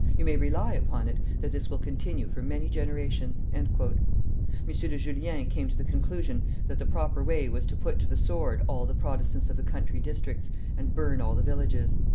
You may rely upon it that this will continue for many generations." M. de Julien came to the conclusion that the proper way was to put to the sword all the Protestants of the country districts and burn all the villages.